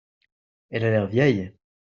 Elle a l'air vieille.